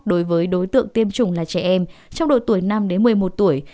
đối với đối tượng tiêm chủng là trẻ em trong độ tuổi năm đến một mươi một tuổi